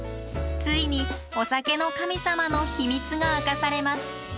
ついに「お酒の神様」の秘密が明かされます。